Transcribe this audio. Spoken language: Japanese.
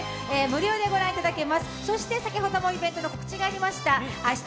無料でご覧いただけます、そして先ほどでもイベントで告知がありました明日